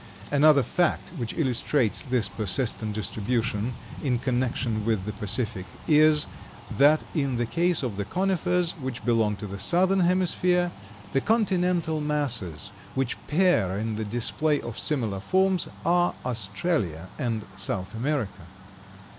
Another fact which illustrates this persistent distribution in connection with the Pacific is that in the case of the Conifers which belong to the southern hemisphere, the continental masses which pair in the display of similar forms are Australia and South America.